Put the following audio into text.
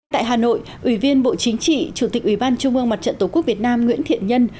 tại hà nội ủy viên bộ chính trị chủ tịch ủy ban trung ương mặt trận tổ quốc việt nam nguyễn thiện nhân